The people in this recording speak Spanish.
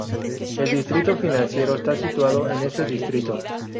El distrito financiero está situado en este distrito.